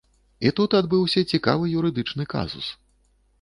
І тут адбыўся цікавы юрыдычны казус.